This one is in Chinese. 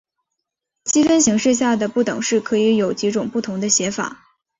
积分形式下的不等式可以有几种不同的写法。